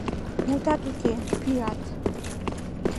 Мутат уке, пӱят...